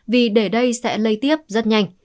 vì để đây sẽ lây tiếp rất nhanh